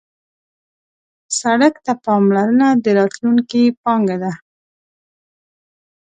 سړک ته پاملرنه د راتلونکي پانګه ده.